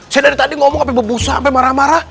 saya dari tadi ngomong sampe bebosa sampe marah marah